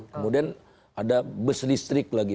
kemudian ada bus listrik lagi